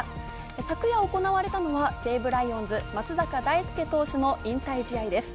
昨夜行われたのは、西武ライオンズ・松坂大輔投手の引退試合です。